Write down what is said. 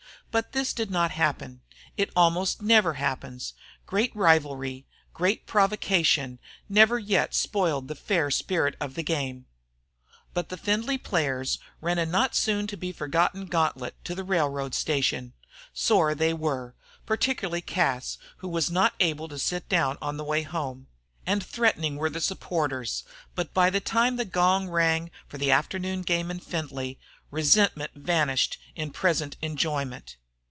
But this did not happen. It almost never happens. Great rivalry, great provocation, never yet spoiled the fair spirit of the game. But the Findlay players ran a not soon to be forgotten gantlet to the railroad station. Sore were they, particularly Cas, who was not able to sit down on the way home; and threatening were the supporters, but by the time the gong rang for the afternoon game in Findlay, resentment vanished in present enjoyment.